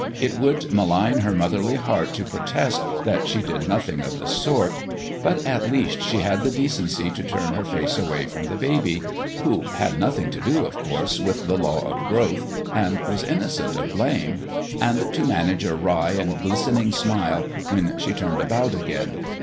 It would malign her motherly heart to protest that she did nothing of the sort. But at least she had the decency to turn her face away from the baby who had nothing to do, of course, with the law of growth, and was innocent of blame and to manage a wry and glistening smile when she turned about again.